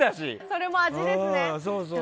それも味ですね。